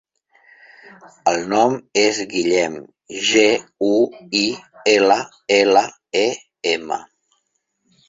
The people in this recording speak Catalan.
El nom és Guillem: ge, u, i, ela, ela, e, ema.